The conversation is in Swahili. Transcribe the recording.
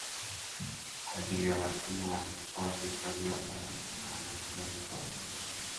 kwa ajili ya watumwa waliokuwa wakitolewa bara anasema